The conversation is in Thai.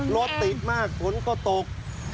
รถติดมากฝนก็ตก